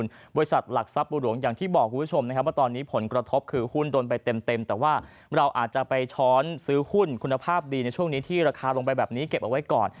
เหล่าอย่างที่บอกคุณผู้ชมนะครับตอนนี้ผลกระทบคือหุ้นโดนไปเต็มแต่ว่าเราอาจจะไปช้อนซื้อหุ้นคุณภาพดีในช่วงนี้ที่ราคาลงไปแบบนี้เก็บไว้ก่อน